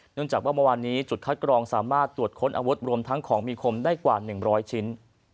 จากว่าเมื่อวานนี้จุดคัดกรองสามารถตรวจค้นอาวุธรวมทั้งของมีคมได้กว่า๑๐๐ชิ้น